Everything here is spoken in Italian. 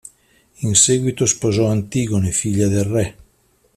In seguito sposò Antigone, figlia del re.